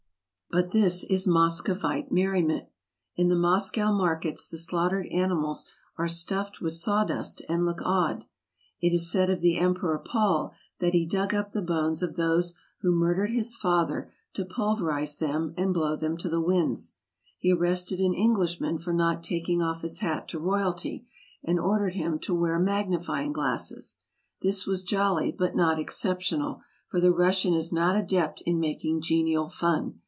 But this is Muscovite merriment. In the Moscow markets the slaughtered animals are stuffed with sawdust and look odd. It is said of the Emperor Paul that he dug up the bones of those who murdered his father to pulverize them and blow them to the winds. He arrested an Englishman for not taking off his hat to royalty, and ordered him to wear mag nifying glasses. This was jolly but not exceptional, for the Russian is not adept in making genial fun.